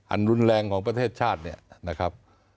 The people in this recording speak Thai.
อันรุนแรงของประเทศชาติเนี่ยนะครับ